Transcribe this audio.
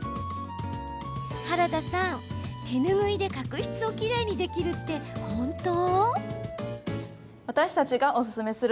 原田さん、手ぬぐいで角質をきれいにできるって本当？